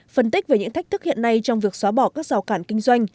phân tích về những thách thức hiện nay trong việc xóa bỏ các rào cản kinh doanh